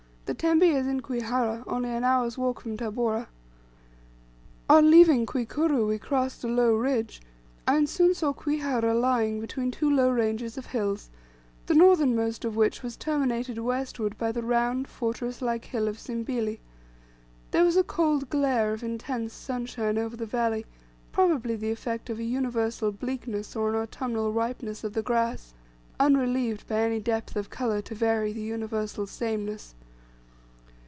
The tembe is in Kwihara, only an hour's walk from Tabora." On leaving Kwikuru we crossed a low ridge, and soon saw Kwihara lying between two low ranges of hills, the northernmost of which was terminated westward by the round fortress like hill of Zimbili. There was a cold glare of intense sunshine over the valley, probably the effect of an universal bleakness or an autumnal ripeness of the grass, unrelieved by any depth of colour to vary the universal sameness.